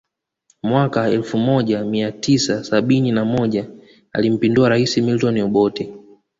Mwaka elfu moja Mia tisa sabini na moja alimpindua rais Milton Obote